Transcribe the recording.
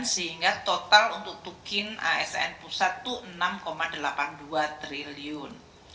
sehingga total untuk tukin asn pusat itu enam delapan puluh dua triliun